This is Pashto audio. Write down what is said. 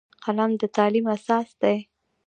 قلم د تعلیم اساس دی